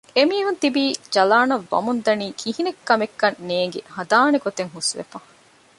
އެމީހުން ތިބީ ޖަލާނަށް ވަމުންދަނީ ކިހިނެއް ކަމެއްކަން ނޭންގި ހަދާނެ ގޮތް ހުސްވެފަ